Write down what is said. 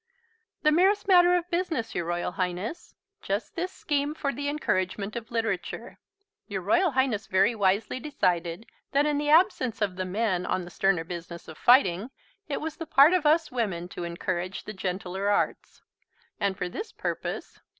"The merest matter of business, your Royal Highness. Just this scheme for the Encouragement of Literature. Your Royal Highness very wisely decided that in the absence of the men on the sterner business of fighting it was the part of us women to encourage the gentler arts; and for this purpose